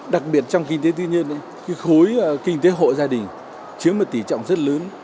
đặc biệt trong kinh tế tư nhân khối kinh tế hộ gia đình chiếm một tỷ trọng rất lớn